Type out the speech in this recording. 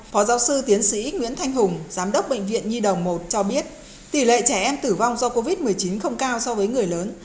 phó giáo sư tiến sĩ nguyễn thanh hùng giám đốc bệnh viện nhi đồng một cho biết tỷ lệ trẻ em tử vong do covid một mươi chín không cao so với người lớn